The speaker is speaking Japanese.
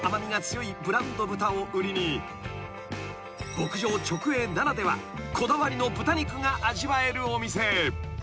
［牧場直営ならではこだわりの豚肉が味わえるお店］